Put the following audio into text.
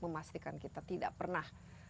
memastikan kita tidak pernah